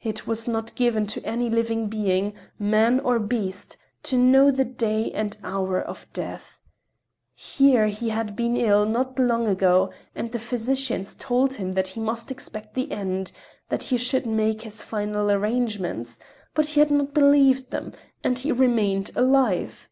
It was not given to any living being—man or beast—to know the day and hour of death. Here had he been ill not long ago and the physicians told him that he must expect the end, that he should make his final arrangements—but he had not believed them and he remained alive.